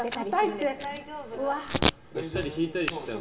押したり引いたりして。